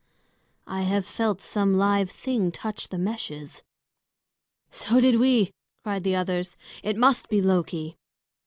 I felt some live thing touch the meshes!" "So did we!" cried the others. "It must be Loki!"